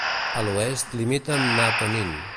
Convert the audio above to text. A l'oest, limita amb Natonin.